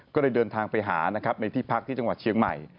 ก็เลยเดินทางไปหานะครับในที่พักที่จังหวัดเชียงใหม่